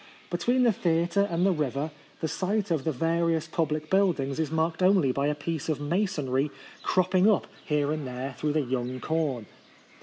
Between the theatre and the river the site of the various public buildings is marked only by a piece of masonry crop ping up hero and there through the young corn.